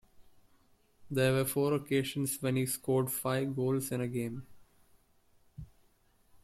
There were four occasions when he scored five goals in a game.